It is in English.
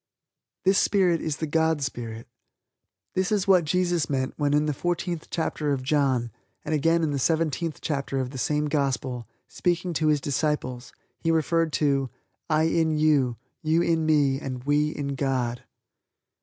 This Spirit is the God Spirit. This is what Jesus meant when in the fourteenth chapter of John and again in the seventeenth chapter of the same Gospel, speaking to His Disciples He referred to "I in you, you in Me and We in God."